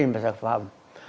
dengan bahasa faham